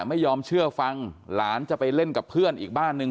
ไม่ยอมเชื่อฟังหลานจะไปเล่นกับเพื่อนอีกบ้านหนึ่ง